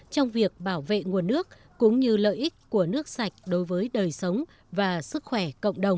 trong việc bảo vệ nguồn nước cũng như lợi ích của nước sạch đối với đời sống và sức khỏe cộng đồng